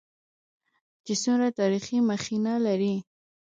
چې څومره تاريخي مخينه لري.